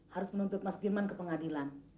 harus menuntut mas firman ke pengadilan